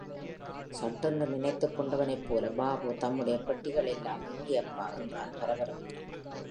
சட்டென்று நினைத்துக் கொண்டவனைப் போல் பாபு, நம்முடைய பெட்டிகள் எல்லாம் எங்கே அப்பா, என்றான் பரபரப்புடன்.